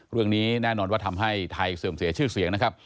เรื่องนี้แน่นอนว่าทำให้ไทยเสื่อมเสียชื่อเสียงนะครับ